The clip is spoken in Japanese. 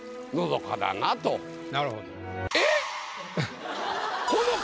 なるほど。